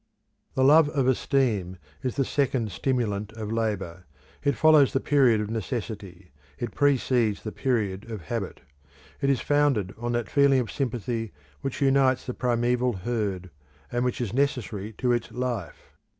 The love of esteem is the second stimulant of labour; it follows the period of necessity; it precedes the period of habit. It is founded on that feeling of sympathy which unites the primeval herd, and which is necessary to its life.